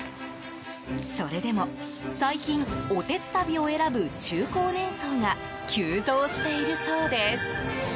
それでも最近おてつたびを選ぶ中高年層が急増しているそうです。